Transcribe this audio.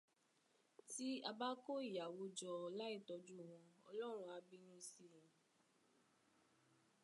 Tí a bá kó ìyàwó jọ láì tọ́jú wọn, ọlọ́run á bínú síi